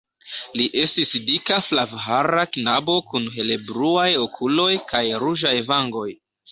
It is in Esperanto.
Li estis dika flavhara knabo kun helebluaj okuloj kaj ruĝaj vangoj.